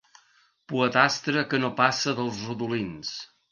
Poetastre que no passa dels rodolins.